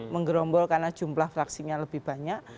menggerombol karena jumlah vaksinnya lebih banyak